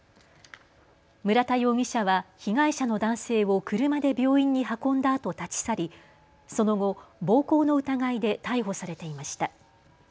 村田容疑者は被害者の男性を車で病院に運んだあと立ち去りその後、暴行の疑いで逮捕されていました。